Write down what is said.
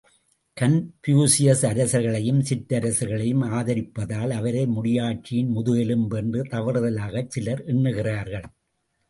Confucius, அரசர்களையும், சிற்றரசர்களையும் ஆதரிப்பதால், அவரை முடியாட்சியின் முதுகெலும்பு என்று தவறுதலாகச் சிலர் எண்ணுகிறார்கள்.